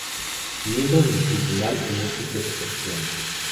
Miembro del tribunal en múltiples oposiciones.